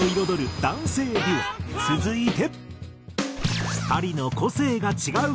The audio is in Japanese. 続いて。